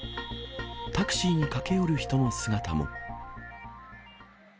タクシーに駆け寄る人の姿も。